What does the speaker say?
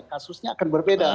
kasusnya akan berbeda